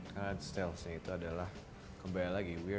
karena di sales itu adalah kembali lagi